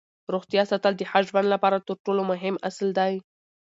روغتیا ساتل د ښه ژوند لپاره تر ټولو مهم اصل دی